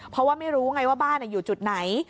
เพราะว่าไม่รู้ไงว่าบ้านอยู่จุดไหน